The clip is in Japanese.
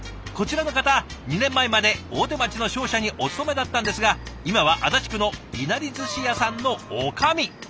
こちらの方２年前まで大手町の商社にお勤めだったんですが今は足立区のいなり寿司屋さんの女将。